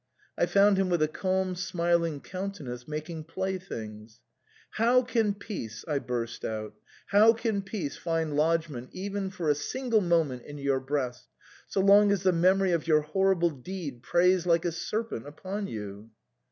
I found him with a calm smiling countenance making playthings. " How can peace," I burst out, "how can peace find lodgment even for a single moment in your breast, so long as the memory of your horrible deed preys like a serpent upon you